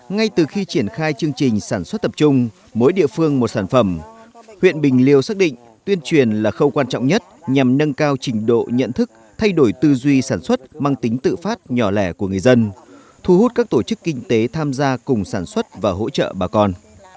ngay từ khi triển khai chương trình sản xuất tập trung mỗi địa phương một sản phẩm huyện bình liêu xác định tuyên truyền là khâu quan trọng nhất nhằm nâng cao trình độ nhận thức thay đổi tư duy sản xuất mang tính tự phát nhỏ lẻ của người dân thu hút các tổ chức kinh tế tham gia cùng sản xuất và hỗ trợ bà con